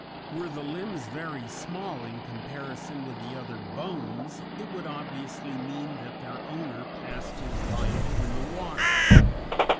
Were the limbs very small in comparison with the other bones, it would obviously mean that their owner passed his life in the water.